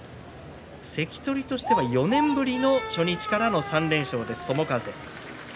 関取としては４年ぶりの初日からの３連勝です友風。